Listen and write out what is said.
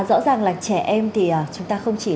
rõ ràng là trẻ em thì chúng ta không chỉ